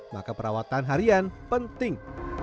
maka perawatan harian penting